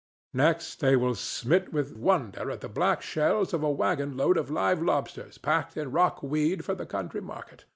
Next they are smit with wonder at the black shells of a wagon load of live lobsters packed in rock weed for the country market.